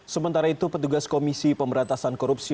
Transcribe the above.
sementara itu petugas komisi pemberantasan korupsi